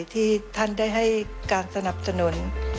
ที่ท่านได้ให้การสนับสนุน